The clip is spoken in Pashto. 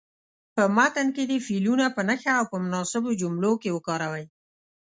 په متن کې دې فعلونه په نښه او په مناسبو جملو کې وکاروئ.